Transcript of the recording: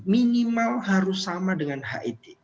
minimal harus sama dengan het